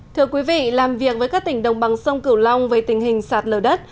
thưa quý vị làm việc với các tỉnh đồng bằng sông cửu long về tình hình sạt lờ đất